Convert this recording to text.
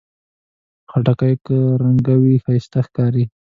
خټکی که رنګه وي، ښایسته ښکاري.